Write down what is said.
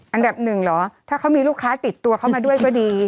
อันดับหนึ่งเหรอถ้าเขามีลูกค้าติดตัวเขามาด้วยก็ดี